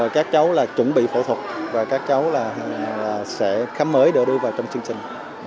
các cháu là chuẩn bị phẫu thuật và các cháu là sẽ khám mới để đưa vào trong chương trình